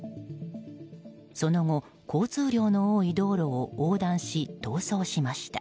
その後、交通量の多い道路を横断し逃走しました。